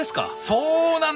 そうなんです！